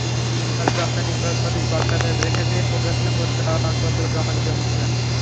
তবে রপ্তানি করা ছবি কলকাতার প্রেক্ষাগৃহে প্রদর্শনের প্রত্যয়নপত্র জমা দিতে হচ্ছে না।